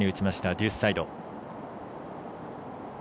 デュースサイド。